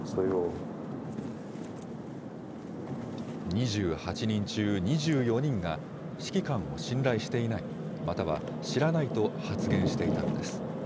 ２８人中２４人が、指揮官を信頼していない、または知らないと発言していたのです。